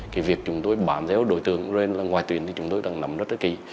cái việc chúng tôi bám déo đối tượng nên là ngoài tuyến thì chúng tôi đang nằm rất là kỳ